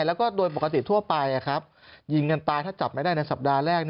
แล้วก็โดยปกติทั่วไปยิงกันตายถ้าจับไม่ได้ในสัปดาห์แรก